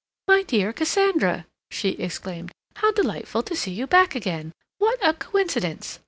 "My dear Cassandra!" she exclaimed. "How delightful to see you back again! What a coincidence!"